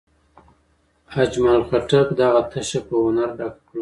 اجمل خټک دغه تشه په هنر ډکه کړه.